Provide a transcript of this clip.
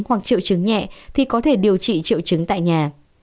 hoặc triệu chứng nhẹ thì có thể điều trị triệu chứng tại nhà